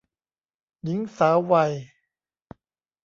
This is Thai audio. หญิงสาววัย